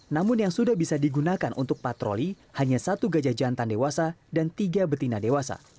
namun yang sudah bisa digunakan untuk patroli hanya satu gajah jantan dewasa dan tiga betina dewasa